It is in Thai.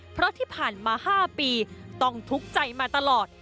เพราะที่ผ่านมา๕ปีต้องทุกข์ใจมาตลอด